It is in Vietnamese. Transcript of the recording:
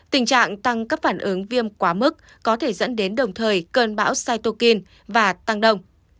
tình trạng tăng các phản ứng viêm quá mức có thể dẫn đến đồng thời cơn bão saitukin và tăng đồng